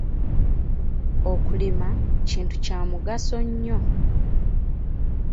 Okulima kintu kya mugaso nnyo.